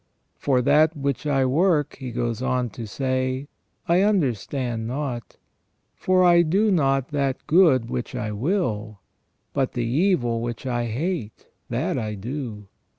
" For that which I work," he goes on to say, " I understand not. For I do not that good which I will, but the evil which 1 hate that I do.